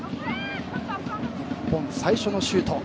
日本、最初のシュート。